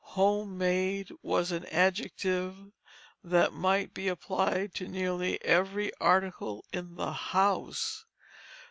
Home made was an adjective that might be applied to nearly every article in the house.